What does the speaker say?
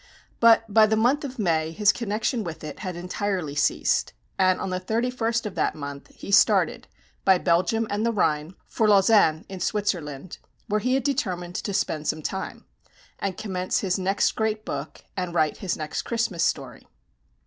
But by the month of May his connection with it had entirely ceased; and on the 31st of that month, he started, by Belgium and the Rhine, for Lausanne in Switzerland, where he had determined to spend some time, and commence his next great book, and write his next Christmas story.